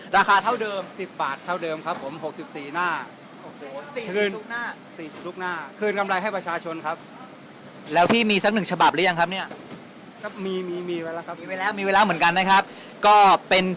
ราคาเท่าเดิม๑๐บาทครับผม